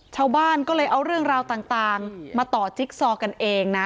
ชาวบ้านก็เลยเอาเรื่องราวต่างมาต่อจิ๊กซอกันเองนะ